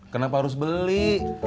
kenapa harus beli